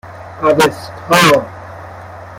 اَوستا